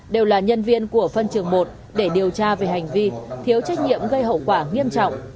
đều là nhân viên của phân trường một để điều tra về hành vi thiếu trách nhiệm gây hậu quả nghiêm trọng